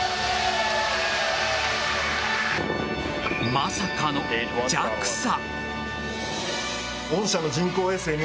まさかのＪＡＸＡ。